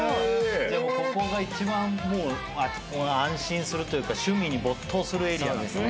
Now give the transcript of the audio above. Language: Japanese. ここが一番安心するというか趣味に没頭するエリアなんだ。